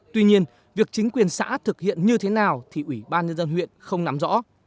tuy nhiên việc chính quyền xã thực hiện như thế nào thì ủy ban nhân dân huyện không nắm rõ